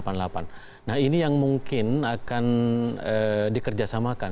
nah ini yang mungkin akan dikerjasamakan